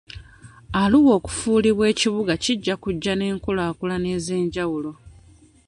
Arua okufuulibwa ekibuga kijja kujja n'enkulaakulana ez'enjawulo.